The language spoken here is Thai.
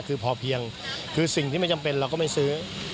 คือพอเพียงคือสิ่งที่ไม่จำเป็นเราก็ไม่ซื้อ